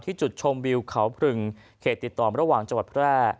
จุดชมวิวเขาพรึงเขตติดต่อระหว่างจังหวัดแพร่